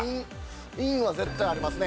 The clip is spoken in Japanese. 「イン」は絶対ありますね。